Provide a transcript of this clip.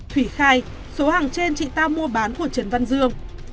thủy khai số hàng trên chị ta mua bán của trần văn dương